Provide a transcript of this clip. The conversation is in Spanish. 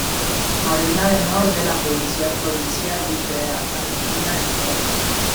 Madrina de honor de la Policía Provincial y Federal Argentina entre otros.